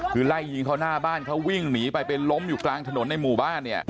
คือไล่ยิงเขาหน้าบ้านเขาวิ่งหนีไปไปล้มอยู่กลางถนนในหมู่บ้านเนี่ย